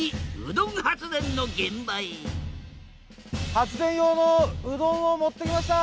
発電用のうどんを持ってきました！